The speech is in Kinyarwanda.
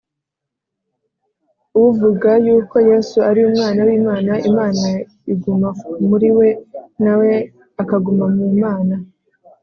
Uvuga yuko Yesu ari Umwana w’Imana, Imana iguma muri we na we akaguma mu Mana.